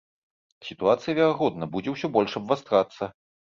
Сітуацыя, верагодна, будзе ўсё больш абвастрацца.